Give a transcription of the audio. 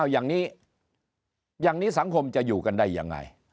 อย่างนี้สังคมจะอยู่กันได้อย่างไร